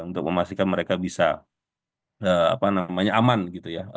untuk memastikan mereka bisa aman gitu ya